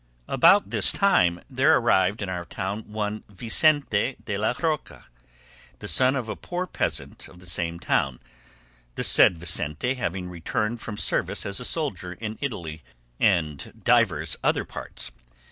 About this time there arrived in our town one Vicente de la Roca, the son of a poor peasant of the same town, the said Vicente having returned from service as a soldier in Italy and divers other parts.